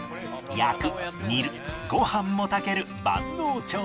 焼く煮るご飯も炊ける万能調理器具